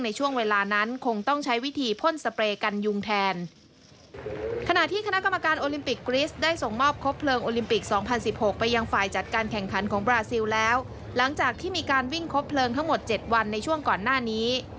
นักกีฬาต้องฝ่ายจัดการแข่งขันของบราซิลแล้วหลังจากที่มีการวิ่งครบเพลิงทั้งหมด๗วันในช่วงก่อนหน้านี้